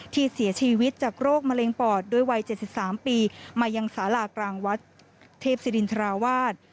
ที่เสียชีวิตจากโรคมะเร็งปอดด้วยวัย๗๓ปีมายังสารากลางวัดเทพศิรินทราวาส